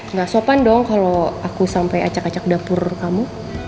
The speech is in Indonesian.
nggak sopan dong kalau aku sampai acak acak dapur kamu